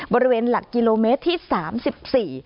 บริเวณหลักกิโลเมตรที่สามสิบสี่